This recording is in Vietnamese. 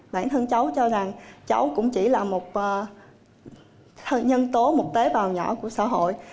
bản thân cháu cho rằng cháu cũng chỉ là một nhân tố một tế bào nhỏ của xã hội